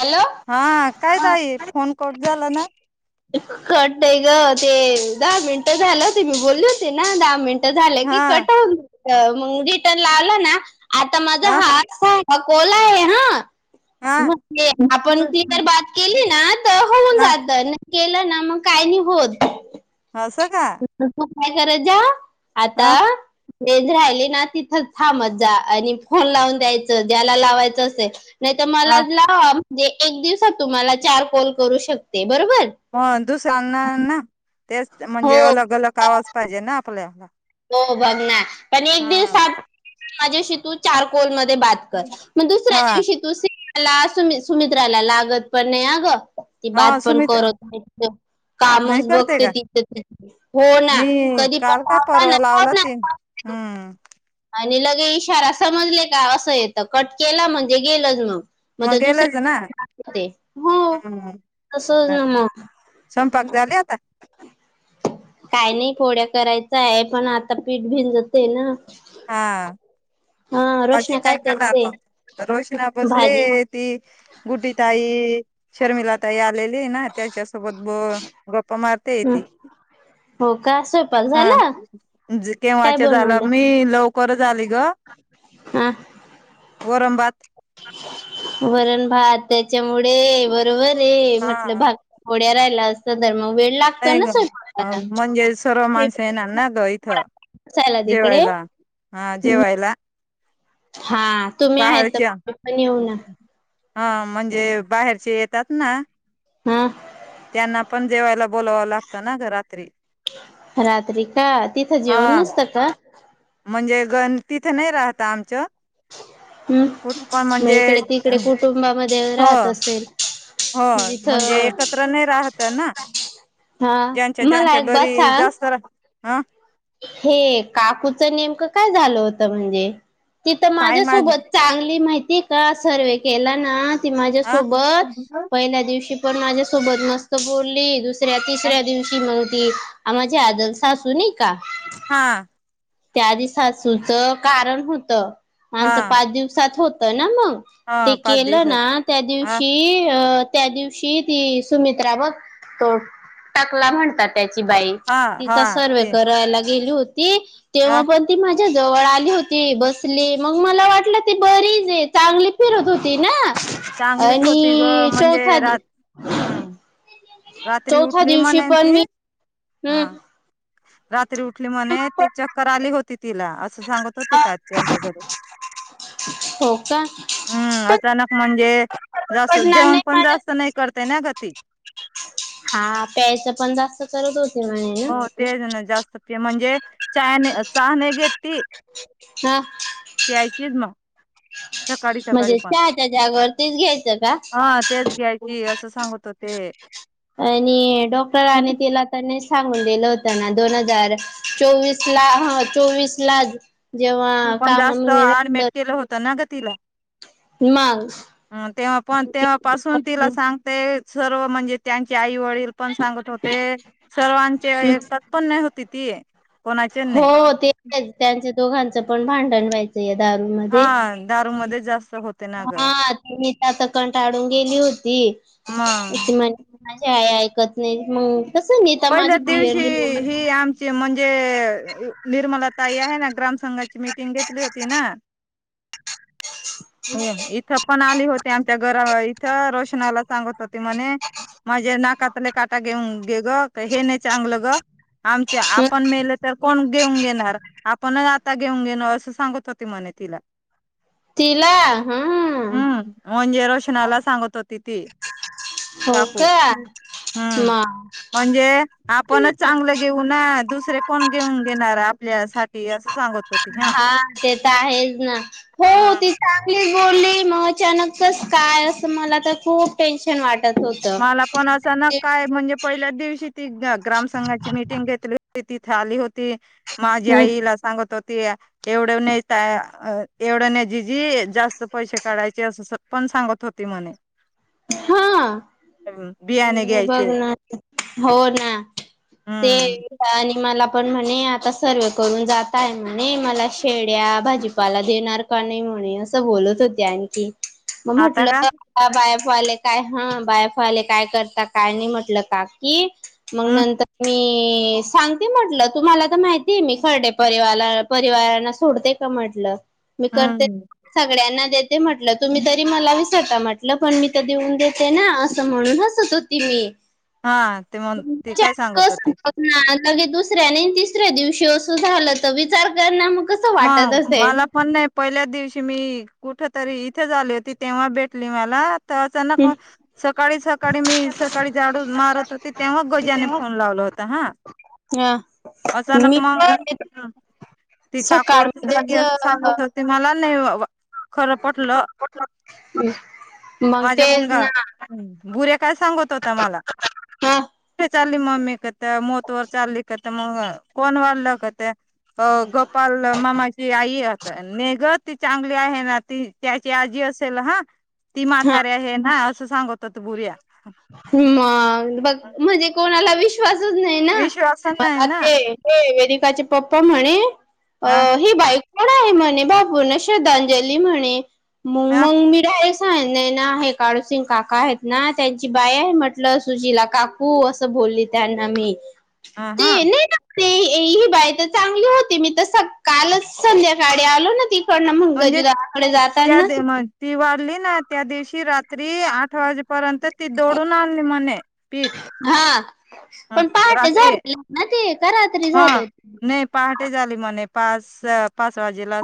Hello हा, काय ताई फोन कट झाला ना? कट नाही ग, ते दहा मिनट झालं होती, मी बोलले होते ना दहा मिनट झालं की हा कट होऊन, मग रिटर्न आला ना आता माझा हा ह कॉल आहे हा. हा मग ते आपण क्लिअर बात केली ना, तर होऊन हा जात. केलं ना मग काही नाही होत. असं का? मग तू काय करायच ह आता राहिली ना तिथंच थांबत जा, आणि फोन लावून द्यायचं ज्याला लावायचं असेलं. नाही तर मला ह लावा म्हणजे, एक दिवसात तुम्हाला चार कॉल करू शकते. बरोबर मग दुसऱ्यांना ना तेच म्हणजे अलग अलग हो आवाज पाहिजे ना आपला हो बघ ना, पण एक दिवसात माझ्याशी तु चार कॉल मध्ये बात कर मग दुसऱ्या हा दिवशी तू सिमला सुमित्राला लागत पण नाही अ गं. ती हा बात पण सुमिता करत नाही. नाही कामच करते बघते का तिथ ती हो ना मी कधी काल का पण ना लावला ते, लावणार. हम्म आणि लगे इशारा समजले का असं येतं कट केलं म्हणजे गेलंच मग. मग तर गेलच ना दुसऱ्या [unintelligible] ते हो, हम्म तस ना मग स्वयंपाक झाले आता. काय नाही पोळ्या करायचा आहे, पण आता पीठ भिंजत आहे ना. हा हा भाजी रोशना काय करणार करते? मग? रोशना बसले भाजी ती गुड्डी ताई, शर्मिला ताई, आलेली ना त्याच्यासोबत ब गप्पा मार ते ह ती, हो का स्वयंपाक हा. झाला केव्हाच्या झालं, मी लवकर हम्म वरण भात वरण भात त्याच्यामुळे बरोबर ते म्हटलं हा भाकरवड्या राहिलं असतं तर मग वे नाही ग, अ म्हणजे सर्व माणसं येणार ना ग इथं. स्वयंपाकाला ला तिकडे जेवायला हा जेवायला. हा, तुम्ही आहेत बाहेरच्या ना [unintelligible] पण येऊ ना. हा, म्हणजे बाहेरचे येतात ना. हा. त्यांना पण जेवायला बोलावावं लागतं ना गं रात्री. रात्री का? तिथं जेवण हा नसतं का? म्हणजे गण तिथं नाही राहत आमचं हम्म, कुठ पण मग म्हणजे इकडे तिकडे कुटुंबामध्ये राहत असेल? होय, तिथं म्हणजे एकत्र नाही राहत ना? हा ज्यांच्या मला ज्यांच्या एक बात घरी सांग जास्त रा आ हे काकूचं नेमकं काय झालं होतं म्हणजे? ती तर काय माझ माझ्यासोबत चांगली माहितीए का, सर्वे केला ना ती अ माझ्यासोबत, पहिल्या दिवशी पण माझ्यासोबत मस्त बोलली, दुस ऱ्या तिसऱ्या दिवशी मग ती आ माझी आजसासू नाई हा. ते आजीसासूचं कारण होतं, हा आमचं पाच दिवसात होत ना मग. ते हा पाच केलं दिवसात ना त्या अ दिवशी अ त्या दिवशी ती सुमित्रा बघ तो टकला म्हणतात ची बाई हा हा तिचा सर्वे ते ला गेली होती, तेव्हा अ पण ती मा झ्या जवळ आली होती, बसली मग मला वाटलं ती बरीच आहे, चांगली फिरत होती ना. चांगलीच होती ग आणि म्हणजे चौथा दी रात हम्म रात्री चौथा उठली दिवशी म्हणे पण ती मी, हा हम्म रात्री उठली म्हणे ते चक्कर आली होती तिला. असं सांगत होते का त्यांच्या घरीच. हो का? हम्म, अचानक म्हणजे जास्त पडणार जेवण नाही पण माझ्या जास्त नाही करते ना ग ती. हा, पेयचं पण जास्त करत होते म्हणे हो, तेच ना जास्त पे म्हणजे चहाने चहा नई घेत ती. हा. प्यायचीच म. सकाळी-सकाळी म्हणजे पण, चहाच्या जागेवर तेच घ्यायचं का? हं तेच घ्यायाची, असं सांगत होते. हे. काय नाही, डॉक्टरानी तेला आता नेक्स सांगून दिलं होत ना, दोन हजार चोवीस ला, हा चोवीस लाज तु पण, जास्त आडमेट केलं होतं ना, ग? तिला मग हं तेव्हा पण, तेव्हा पासून, तिला सांगते सर्व म्हंजे त्यांचे आई वडील पण सांगत होते, सर्वांचे ऐकत पण नाही होती ती. कोणाचे हो नाही हो, ते त्यांचे दोघांचे पणं, भांडण व्हायचे यात. दारू हा मधे. दारू मध्ये जास्त होते ना ग हां. सुनीता तर कंटाळून गेली होती. आस मग म्हणी माझी आय. काय ऐकत नाईत मंग? पहिल्याच दिवशी, हे आमचे म्हंजे अ निर्मला ताई हाये ना ग्रामसंघा तीची मिटिंग घेतली होती, ना? इथं पण आली होते. आमच्या घरावर इथं. रोशनाला सांगत होते, म्हणे - माझे नाकातले काटा घेऊन गे ग. हे नाही चांगलं ग. आमच्या आपण मेलो तर, कोण घेवून घेणार आपणंच आप आत्ता घेऊन घेणं, असं सांगत होते, म्हणे तिला. तिला? हंम. म्हंजे रोशनाला सांगत होती. ती. हो काकू, का हम्म, हुं. मग म्हणजे आपणच चांगलं घेऊ ना? दुसरे कोण घेऊन घेणार आपल्या साठी आसं सांगत होती हां. हा ते हा. ली बोलली, मग अचानकच काय असं मला तर खूप टेन्शन वाट मला पण असं न काय म्हणजे पहिल्या दिवशी ती ग ग्राम संंघाची मिटिंग घेतली होती तिथे आली होती. माझी आईला सांगत होती की एवढं नाही एवढं नाही जिजी जास्त त पैसे काढायचे अस स पण सांगत होती म्हणे. हा, बियाणे मग हे बघ घ्यायचे ना, हो ना. ते हम्म आणि मला पण म्हणे आता सर्व करून जात आहे म्हणे, मला शेड्या भाजीपाला देणार का नाही म्हणे असं बोलत होती आणि ती, मग आता म्हटलं का बा वाले काय हा, बाय एफ आले काय करता काय नाही म्हटलं काकी. मग हम् नंतर मी मी सांगते म्हटलं, तुम्हाला तर माहितीय मी सरडे परिवाला परिवारांना सोडते का म्हटलं. मी करते, हम्म सगळ्यांना देते म्हटलं, तुम्ही तरी मला विसरता म्हटलं. पण मी तर देऊन देते ना असं म्हणून हसत होती मी. हा, ते मग ती काय चाट सांगत कसं होती? बघणार लगे दुसऱ्या ने तिसऱ्या दिवशी असं झालं तर विचार कर ना मग. कसं वाटत मग, असेल मला पण नाही पहिल्या दिवशी की मी कुठं तरी इथेच आली होती, तेव्हा भेटली मला. त अचानक हम्म, मग, सकाळी सकाळी मी सकाळी झाडू मारत होते तेव्हा गजाने फोन लावला हो त ना हा. अचानक मी मल पण ती काकू असं जागी सकाळमध्येच असं अ, सांगत होते मला नाही बाबा खरं पटलं. मग माझा तेच मुलगा, ना बुऱ्या काय सांगत होता मला? हा चालली मम्मी कते मोत इल वर चाली कते म कोण वाला कते ग. पल मामाची आई आस नेघ ती चांगली आहे ना, ती त्याची आजी असेल हा. ती हा म्हातारी आहे ना, असं सांगत होत बुऱ्या. हं मग बघ म्हणजे कोणाला विश्वास च नाही ना, विश्वास नाही मला ना ते हे वेदिकाचे पप्पा म्हणे अ ह ही बाई कोण आहे म्हणे? भावपूर्ण श्रद्धांजली म्हणे. मंग ह मंग मी डायरेक्ट सांगितलं नैना हाये, काळूसिंग काका हायेत ना. त्यांची बाई आहे म्हटलं, सुशीला काकू असं बोलली त्यांना मी. आ हा. ते नाही ना ते ये ही बाई तर चांगली होती, मी तर स कालच संध्याकाळी आलो ना ती तीकडन मंग म्हणजे गजुदादाकडे जातात त्या ना ती वाढली ना त्या दिवशी रात्री आठ वाजेपर्यंत, ती दडून आणली म्हणे पीठ हा पण पहाटे रात्री झालेलि ना. ते का रात्री हा, झालं नाही पहाटे झाली म्हणे पास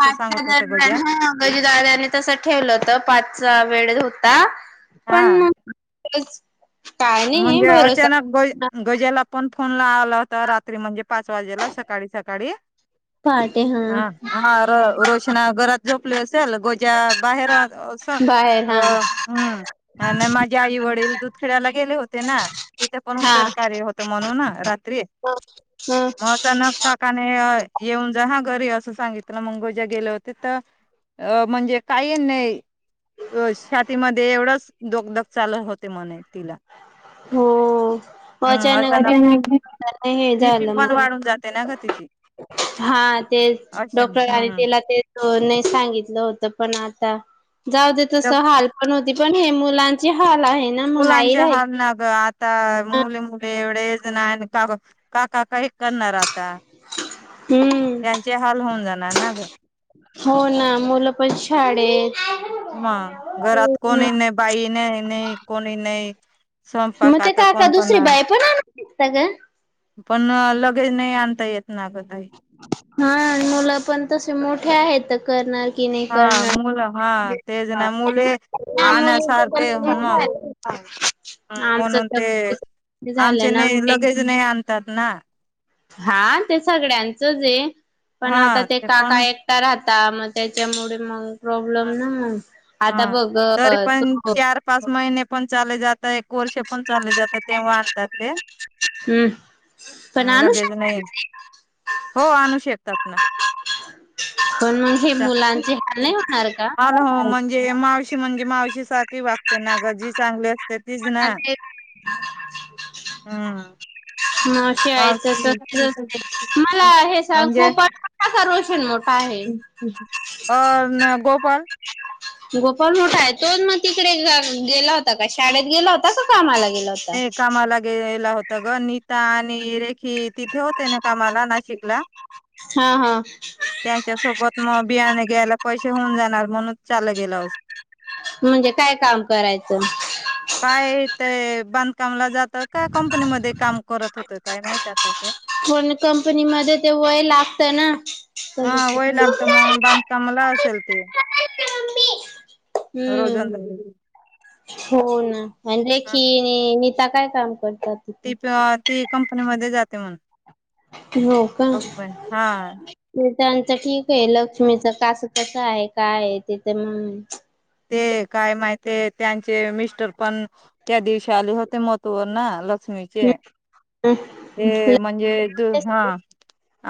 पाचच्या दरम्यान हा गजू दादाने तस ठेवलं होत, पाचचा वेळ हो ता. हा. रोज म्हणजे अचानक ग गज्याला पण, फोन लावला होता रात्री म्हजे पाच वाजेला सकाळी सकाळी पहाटे हा हा र रोशना घरात झोपली असेल गोजा बाहेर अस बाहेर अ हा हम् माझे आई वडील दूध खेळायला गेले होते ना तिथे पण होत हा उत्तरकार्य होत म्हणून रात्री ह म अस नस काकाने येऊन जहा घरी असं सांगितलं मंगोजा गेले होते तर अ म्हणजे काही नाही [unintelligible] त छातीमध्ये एवढंच धक धक चालत होते म्हणे तिला ह हम् आ [unintelligible] हे बीपी झालं पण मग वाढून जाते ना ग तिची हा ते अच्छा डॉक्टरनी हम्म तिला ते नाही सांगितलं होतं पण आ जाऊ दे तस त्या हाल पण होती पण हे मुलांची हाल आहे ना मग आई मुलांचे राहिली हाल ना आता मुले मुले एवढेच नाही का काका काही करणार आता हम्म त्यांचे हाल होऊन जाणार ना ग हो ना मुलं पण हम्म. शाळेत मग घरात कोणी नाही बाई नाही नाही कोणी नाही मग स्वयंपाक ते आता काका कोण दुसरी करणार बाई पण आणतात ग पण लगेज नाही आणता येत ना ग ताई हा मुलं पण तसे मोठे आहेत करणार कि नाही हा करणार मुलं हा तेच ना मुले मुली आणण्यासारखे मग [unintelligible] आमच म्हणून पण ते तेच आमचे नाही लगेच नाही आणतात ना हा ते सगळ्यांचच आहे पण आता हा ते काका पण एकटा राहत मग त्याच्यामुळे मग प्रॉब्लेम ना मग आता हा बघ तरी पण तो चार पाच महिने पण चालले [unintelligible] जात एक वर्ष पण चालले जातात तेव्हा आणतात ते हम्म पण ह आणू लगेच शकता नाही हो आणू शकतात ना पण मग हे मुलांचे हाल नाही होणार का? अ हो म्हणजे मावशी म्हणजे मावशी सात ती वागते ना ग जी चांगली असते तीच ना पण ते हम मावशी हा आईचं तर तसंच आहे. मला हे सांग म्हणजे गोपाळ मोठा का रोशन मोठा आहे? और ना गोपाळ गोपाळ मोठा आहे तो मग तिकडे गेला होता का शाळेत गेला होता का कामाला गेला होता? हे कामाला गेला होता ग नीता आणि रेखित तिथे होते ना कामाला नाशिकला हा हा त्यांच्या सोबत मग बियाणे घ्यायला पैसे होऊन जाणार म्हणून चालत गेलं अस म्हणजे काय काम करायचं काय ते बांधकामला जात तर त्या कंपनीमध्ये काम करत होत काय माहित आता ते पण कंपनी मध्ये ते वय लागत ना हा वय लागतं मग बांधकामला असेल ते हम्म रोजंद [unintelligible] हो ना आणि रेखी नीता काय काम करते ती प ती कंपनीमध्येध्ये जाते म्हूनन हो का म त्यांच ठीक आहे लक्ष्मीच कासव कसं आहे काय आहे तिथं मग ते काय माहिित त्यांचे मिस्टर पण त्या दिवशी आले होते म [unintelligible] मग लक्ष्मीचे हम्म ते म्हणजे द हा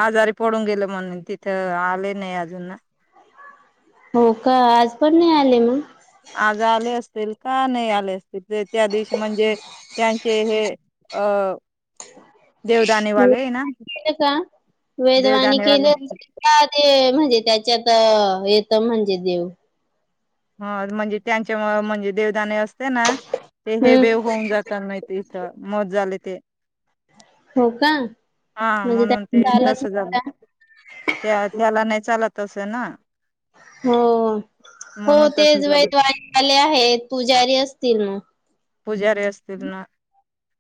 आजारी पडून गेलं म्हणून तिथं आले नाही अजून ना हो का आज पण नाही आले मग आज आले असतील का नाही आले असतील ते त्या दिवशी म्हणजे त्यांचे हे अं देवदाने वाले है ना? वेधवाणी केली देवदाणेवाले का ते म्हणजे त्याच्यात [unintelligible] [unintelligible] म्हणजे देव. हा म्हणजे त्यांच्या मूळं म्हणजे देवदाणे असते ना ते हे हम्म देव होऊन जाताल नाही इथं मग झाले ते हो. का हा म्हणजे त्या म्हणून ते चालत तसं नाही झालं, का त्या-त्याला नाही चालत. तसं ना हो. हो म्हणून तसं तेच झालं [unintelligible] आले आहे पुजारी असतील मग. पूजारी असतील ना?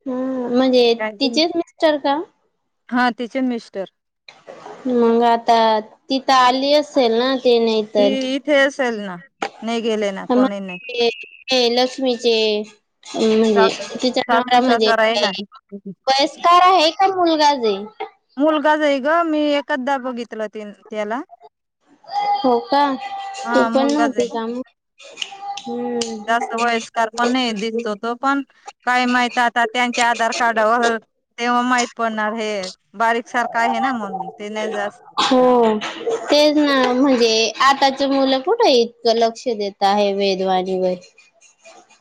हम्म म्हणजे तिचेच मिस्टर का? हा तिचे मिस्टर. मग आता तिथं आली असेल ना? ते नाही तर, ती इथे असेल ना नाही गेले ना कोणी नाही [unintelligible] केलं मीचे [unintelligible] म्हणजे सासू तिचा नवरा सासू म्हणजे सासरा आहे ना [unintelligible] वयस्कार आहे का? मुलगाच हे. मुलगाच आहे का मी एकदा बघितलं तिन त्याला. हो का, तू हा पण मुलगाच आहे नव्हती का मग? हम्म जास्त वयस्कर पण नाही दिसतो तो पण काय माहित आता त्यांच्या आधार कार्डवर तेव्हा माहित पडणार हे बारीक सारखं आहे ना मग ते नाही जास्त हो तेच ना म्हणजे आताची मुलं कुठे इतकं लक्ष देत आहे वेधवाणीवर. [inaudible]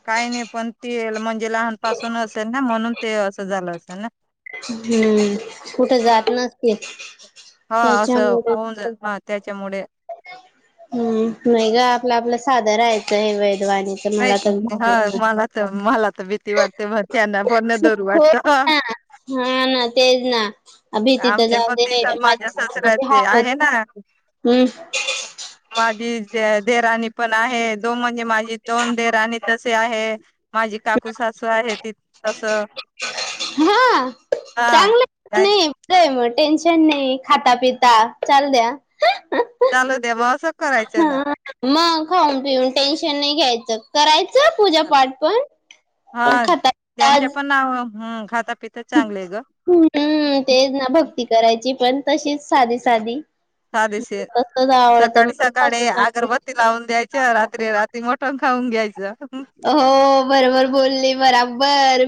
काही नाही पण ते म्हणजे लहानपासून असेल ना म्हणून ते असं झालं असेल ना? हम्म कुठे जात नसतील, हा असं त्याच्यामुळे होऊन जाईल हा त्याच्यामुळे हम्म नाही ग आपलं आपलं साधं राहायचं हे [unintelligible] मला नाही ह तर मला तर मला तर भीती वाटते मी मग त्यांना पण धरू हो वाटत ना [unintelligible] हा ना तेच ना. भीती तर आमच्या जाऊ दे पतीचं आणि माझ्या माझे सासूचे सासऱ्याचे हाल होत आहे ना. हम्म माझे [unintelligible] देराणी पण आहे दोन म्हणजे माझी दोन देराणी तसे आहे. माझी काकू सासू आहे ती तसं हा, हा चांगलं काय नाही काय मग टेन्शन नाही खाता पिता चालू द्या. करायचे हा ना. मग खाऊन पिऊन टेन्शन नाही घ्यायचं कराय [unintelligible] पूजापाठ पण, हा पण त्यांच्या [unintelligible] पण नाव हम्म [unintelligible] ग [unintelligible] हम्म तेच ना हं, भक्ती करायची पण तशीच साधी साधी. चालेशे, तसच आवडतं सकाळी म्हणजे सासू सकाळी सांगते अगरबत्ती लावून द्यायच्या रात्री रात्री [unintelligible] खाऊन घ्यायचं. हो बरोबर बोलली, बराबर.